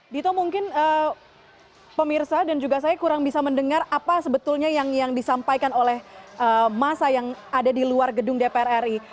dito mungkin pemirsa dan juga saya kurang bisa mendengar apa sebetulnya yang disampaikan oleh massa yang ada di luar gedung dpr ri